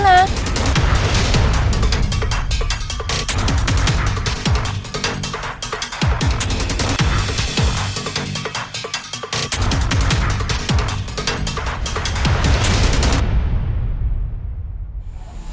tidak ada yang tahu